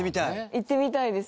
行ってみたいです。